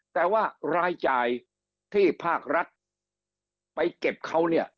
แต่ว่ารายจ่ายที่ภาครัฐไปเก็บเขาเนี่ย